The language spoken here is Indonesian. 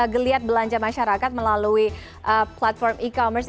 geliat belanja masyarakat melalui platform e commerce